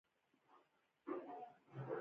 دا مخکښه څېره کارنګي و.